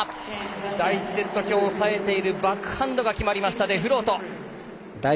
第１セットきょうさえているバックハンドが決まりました、デフロート。